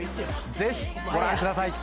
ぜひご覧ください！